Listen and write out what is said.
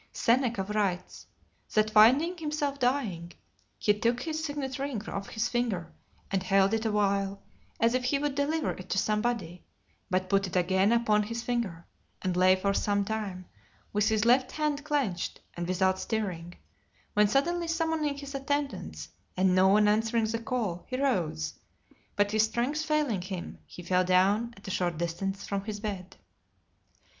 Seneca writes, "That finding himself dying, he took his signet ring off his finger, and held it a while, as if he would deliver it to somebody; but put it again upon his finger, and lay for some time, with his left hand clenched, and without stirring; when suddenly summoning his attendants, (238) and no one answering the call, he rose; but his strength failing him, he fell down at a short distance from his bed."